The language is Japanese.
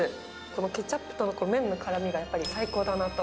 このケチャップと麺のからみがやっぱり最高だなと。